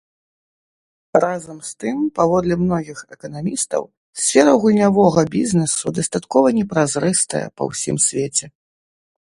Разам з тым, паводле многіх эканамістаў, сфера гульнявога бізнесу дастаткова непразрыстая па ўсім свеце.